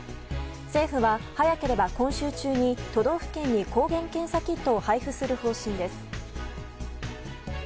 政府は、早ければ今週中に都道府県に抗原検査キットを配布する方針です。